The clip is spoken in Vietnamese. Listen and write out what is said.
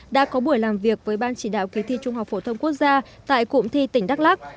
đã có buổi làm việc với ban chỉ đạo kỳ thi trung học phổ thông quốc gia tại cụm thi tỉnh đắk lắc